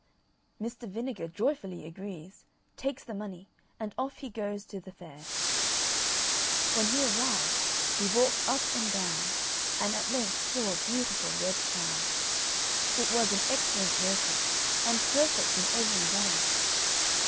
Mr. Vinegar joyfully agrees, takes the money, and off he goes to the fair. When he arrived, he walked up and down, and at length saw a beautiful red cow. It was an excellent milker, and perfect in every way.